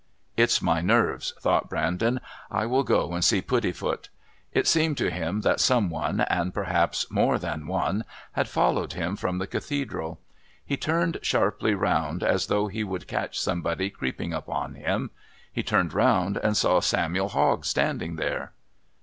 "It's my nerves," thought Brandon. "I will go and see Puddifoot." It seemed to him that some one, and perhaps more than one, had followed him from the Cathedral. He turned sharply round as though he would catch somebody creeping upon him. He turned round and saw Samuel Hogg standing there.